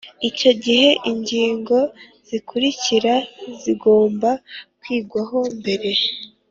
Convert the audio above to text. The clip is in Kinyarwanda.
Icyo gihe ingingo zikurikira zigomba kwigwaho mbere